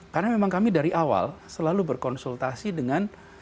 karena memang kami dari awal selalu berkonsultasi dengan